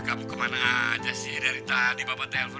kamu kemana aja sih dari tadi bapak telepon